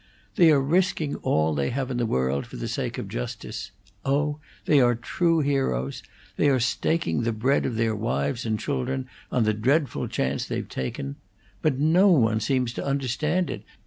They are risking all they have in the world for the sake of justice! Oh, they are true heroes! They are staking the bread of their wives and children on the dreadful chance they've taken! But no one seems to understand it.